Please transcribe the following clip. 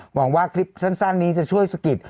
หวังว่าคลิปสั้นนี้จะช่วยสะกิด